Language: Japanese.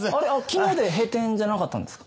昨日で閉店じゃなかったんですか？